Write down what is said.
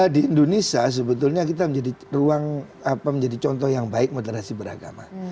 di indonesia sebetulnya kita menjadi ruang apa menjadi contoh yang baik moderasi beragama